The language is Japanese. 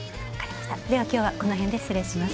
きょうは、この辺で失礼します。